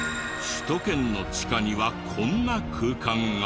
首都圏の地下にはこんな空間が。